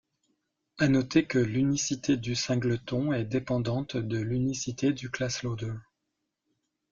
À noter que l'unicité du singleton est dépendante de l'unicité du ClassLoader.